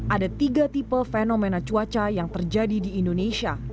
ada tiga tipe fenomena cuaca yang terjadi di indonesia